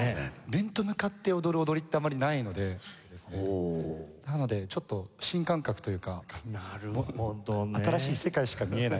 面と向かって踊る踊りってあまりないのでなのでちょっと新感覚というか新しい世界しか見えないみたいな。